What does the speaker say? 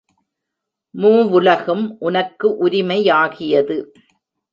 மூவுலகும் உனக்கு உரிமையாகியது.